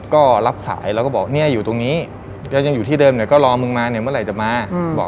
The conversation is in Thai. ก็รับสายแล้วก็บอกเนี่ยอยู่ตรงนี้แล้วยังอยู่ที่เดิมหน่อยก็รอมึงมาเนี่ยเมื่อไหร่จะมาบอก